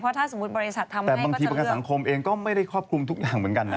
ถ้าสมมุติบริษัททำแต่บางทีประกันสังคมเองก็ไม่ได้ครอบคลุมทุกอย่างเหมือนกันนะ